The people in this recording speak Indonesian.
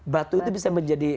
batu itu bisa menjadi